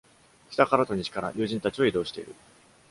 北からと西から、友人たちは移動している。